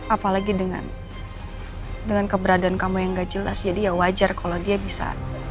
apalagi dengan keberadaan kamu yang gak jelas jadi ya wajar kalau dia bisa